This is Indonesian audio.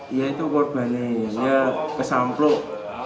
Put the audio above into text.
dia itu korbannya dia kesampluk